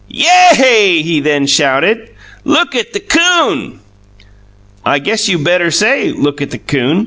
"YA A AY!" he then shouted. "Look at the 'coon!" "I guess you better say, 'Look at the 'coon!'"